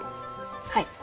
はい。